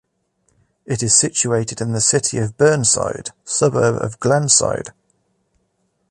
It is situated in the City of Burnside suburb of Glenside.